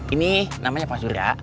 ini namanya pak surya